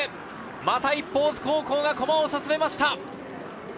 また一歩、大津高校が駒を進めました。